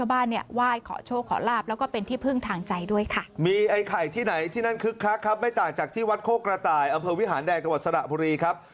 อำเภอวิหารแดงจังหวัดสระพุรีครับ